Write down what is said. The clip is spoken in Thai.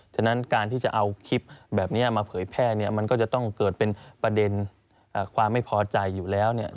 ฉะนั้นการที่จะเอาคลิปแบบนี้มาเผยแพร่เนี่ยมันก็จะต้องเกิดเป็นประเด็นความไม่พอใจอยู่แล้วเนี่ย